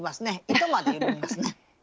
糸まで緩みますね。